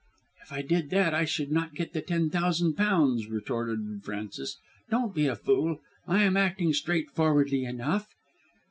"If I did that I should not get the ten thousand pounds," retorted Frances. "Don't be a fool. I am acting straightforwardly enough."